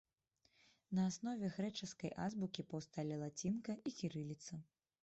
На аснове грэчаскай азбукі паўсталі лацінка і кірыліца.